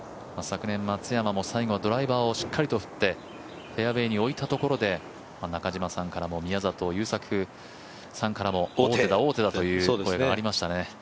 昨年、松山も最後はドライバーをしっかり振ってフェアウエーに置いたというところで中嶋さんからも宮里優作さんからも王手だ、王手だという声がありましたね。